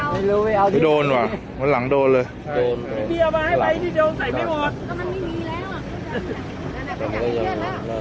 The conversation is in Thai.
ไม่ดูไม่เอาที่ไม่โดนวะมันหลังโดนเลยโดนพี่เอามาให้ไป